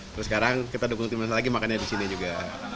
terus sekarang kita dukung timnas lagi makannya disini juga